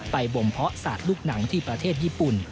บ่มเพาะศาสตร์ลูกหนังที่ประเทศญี่ปุ่น